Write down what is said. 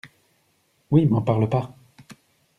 Oui m'en parle pas.